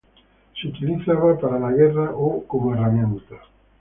Se utilizaba para la guerra o como herramienta.